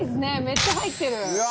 めっちゃ入ってる！